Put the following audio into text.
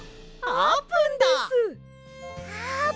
あーぷん！